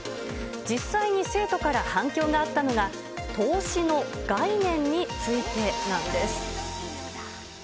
実際に生徒から反響があったのが、投資の概念についてなんです。